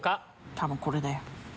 多分これだよ！